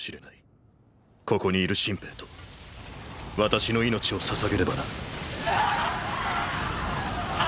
ここにいる新兵と私の命を捧げればな。